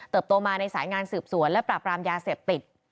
โตมาในสายงานสืบสวนและปราบรามยาเสพติด